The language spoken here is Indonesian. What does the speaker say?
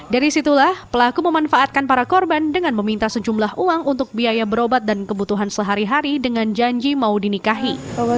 dari situlah pelaku memanfaatkan para korban dengan meminta sejumlah uang untuk biaya berobat dan kebutuhan sehari hari dengan janji mau dinikahi